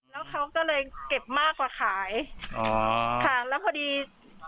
แล้วเขาก็เลยเก็บมากกว่าขาย